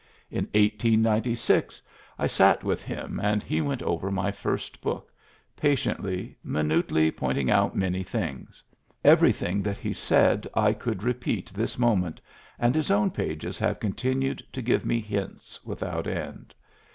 In 1896 c Digitized by VjOOQIC i8 PREFACE I sat with him and he went over my first book, patiently, minutely pointing out many things. Everything that he said I could repeat this moment, and his own pages have continued to give me hints without end.